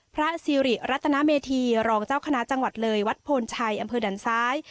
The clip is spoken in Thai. พระสิริรัตนาเมธีรองเจ้าคณะจังหวัดเลยวัดโพนชัยอำเภอดันซ้าย